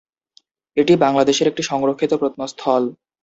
এটি বাংলাদেশের একটি সংরক্ষিত প্রত্নস্থল।